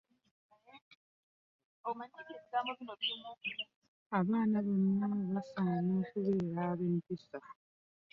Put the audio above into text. Abaana bonna basaana okubeera ab'empisa.